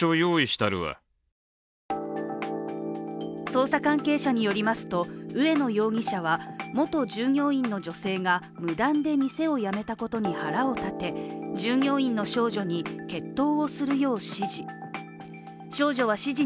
捜査関係者によりますと、上野容疑者は元従業員の女性が無断で店を辞めたことに腹を立て従業員の少女に決闘をするよう指示。